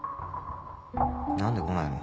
何で来ないの？